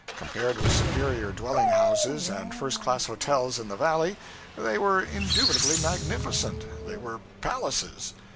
Compared with superior dwelling houses and first class hotels in the Valley, they were indubitably magnificent, they were 'palaces.'